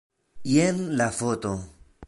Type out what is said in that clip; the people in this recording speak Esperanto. Jen la foto.